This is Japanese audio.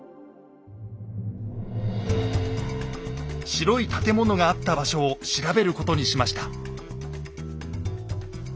白い建物があった場所を調べることにしました。